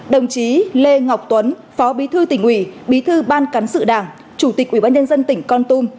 đồng chí lê ngọc tuấn phó bí thư tỉnh ủy bí thư ban cán sự đảng chủ tịch ủy ban nhân dân tỉnh con tum